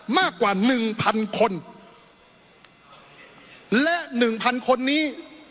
มากกว่าหนึ่งพันคนและหนึ่งพันคนนี้